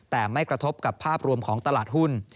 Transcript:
แต่ไม่กระทบกับภาพรวมของตลาดหุ้น